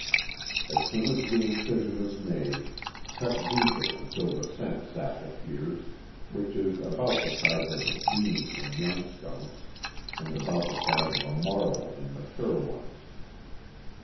As soon as the incision is made, cut deeper until the scent sac appears, which is about the size of a bean in young skunks and about the size of a marble in mature ones.